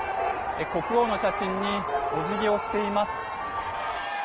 国王の写真にお辞儀をしています。